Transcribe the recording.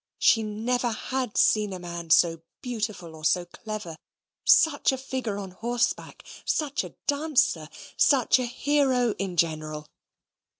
She never had seen a man so beautiful or so clever: such a figure on horseback: such a dancer: such a hero in general.